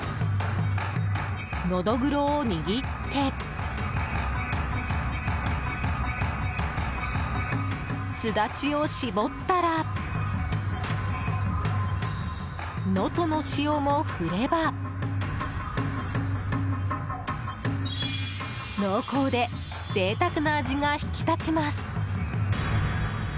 ノドグロを握ってスダチを搾ったら能登の塩も振れば濃厚で贅沢な味が引き立ちます。